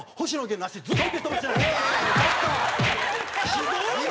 ひどいよ！